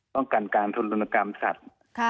ป้องกันการทุลกรรมสัตว์